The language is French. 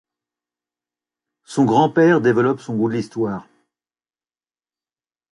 Son grand-père développe son goût de l'histoire.